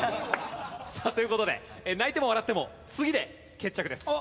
さあという事で泣いても笑っても次で決着です。